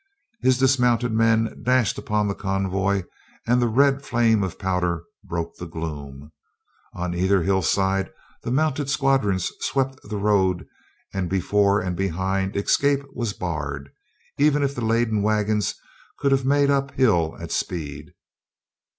His dismounted men dashed upon the convoy and the red flame of pow der broke the gloom. On either hill side the mount ed squadrons swept the road and before and behind escape was barred, even if the laden wagons could AT WITNEY TOWN 247 have made up hill at speed.